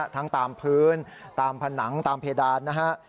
ทั้งตามพื้นตามผนังตามเพดานนะฮะ